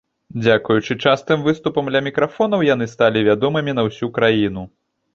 Дзякуючы частым выступам ля мікрафонаў, яны сталі вядомымі на ўсю краіну.